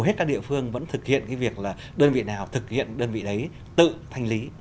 hết các địa phương vẫn thực hiện cái việc là đơn vị nào thực hiện đơn vị đấy tự thanh lý